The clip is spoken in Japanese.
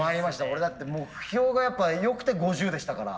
俺だって目標がやっぱよくて５０でしたから。